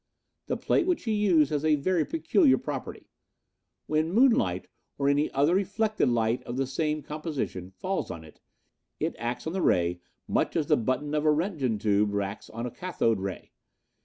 The plate which he used has a very peculiar property. When moonlight, or any other reflected light of the same composition falls on it, it acts on the ray much as the button of a Roentgen tube acts on a cathode ray.